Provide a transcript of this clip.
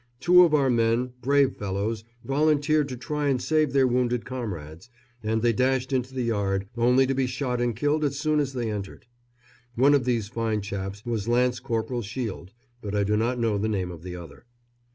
Two of our men, brave fellows, volunteered to try and save their wounded comrades, and they dashed into the yard, only to be shot and killed as soon as they entered. One of these fine chaps was Lance Corporal Shield, but I do not know the name of the other.